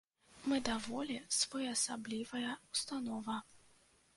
Мы даволі своеасаблівая ўстанова.